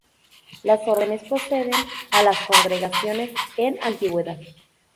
Las Órdenes preceden a las Congregaciones en antigüedad.